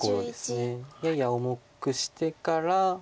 やや重くしてから。